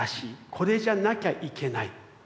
これじゃなきゃいけない。